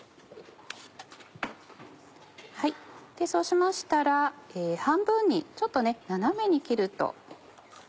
そうしましたら半分にちょっと斜めに切ると。